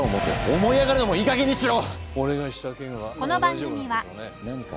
思い上がるのもいいかげんにしろ。